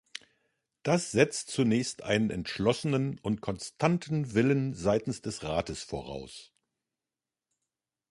Das setzt zunächst einen entschlossenen und konstanten Willen seitens des Rates voraus.